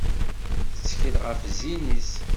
Tettkel ɣef zzin-is.